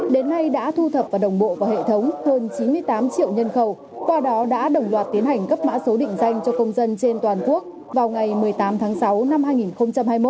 đến nay đã thu thập và đồng bộ vào hệ thống hơn chín mươi tám triệu nhân khẩu qua đó đã đồng loạt tiến hành cấp mã số định danh cho công dân trên toàn quốc vào ngày một mươi tám tháng sáu năm hai nghìn hai mươi một